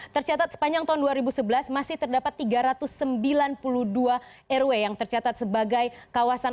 tercatat sepanjang tahun dua ribu sebelas masih terdapat tiga ratus sembilan puluh dua rw yang tercatat sebagai kawasan